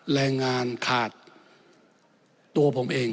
แรงงานขาดตัวผมเอง